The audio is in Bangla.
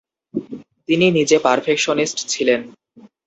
তিনি নিজে পারফেকশনিস্ট ছিলেন।